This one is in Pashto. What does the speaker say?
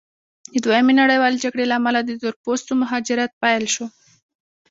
د دویمې نړیوالې جګړې له امله د تور پوستو مهاجرت پیل شو.